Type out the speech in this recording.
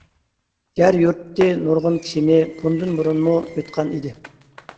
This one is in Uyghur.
يەر يۇتتى نۇرغۇن كىشىنى، بۇندىن بۇرۇنمۇ يۇتقان ئىدى.